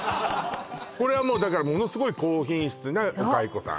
これはもうだからものすごい高品質なお蚕さん